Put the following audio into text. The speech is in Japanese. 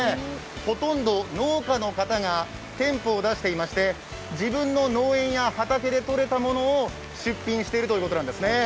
ほとんど農家の方が店舗を出していまして自分の農園や畑でとれたものを出品しているということです。